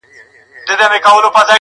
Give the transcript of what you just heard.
ښه دی چي ونه درېد ښه دی چي روان ښه دی.